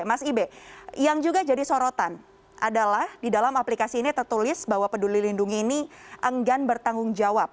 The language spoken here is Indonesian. mas ibe yang juga jadi sorotan adalah di dalam aplikasi ini tertulis bahwa peduli lindungi ini enggan bertanggung jawab